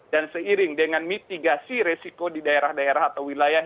dan seiring dengan mitigasi resiko di daerah daerah atau wilayah